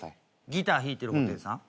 ギター弾いてる布袋さん？